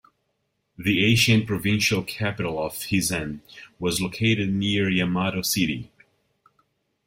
The ancient provincial capital of Hizen was located near Yamato City.